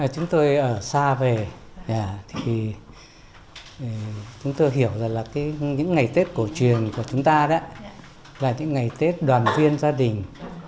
chúng tôi ở xa về thì chúng tôi hiểu rằng là những ngày tết cổ truyền của chúng ta là những ngày tết đoàn viên gia đình